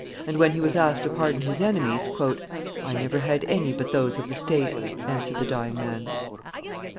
And when he was asked to pardon his enemies, "I never had any but those of the state," answered the dying man.